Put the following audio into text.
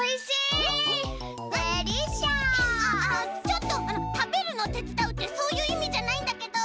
ちょっとあのたべるのをてつだうってそういういみじゃないんだけど。